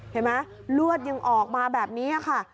เห็นไหมลวดยังออกมาแบบนี้ค่ะ